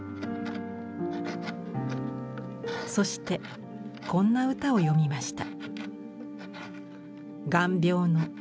そしてこんな歌を詠みました。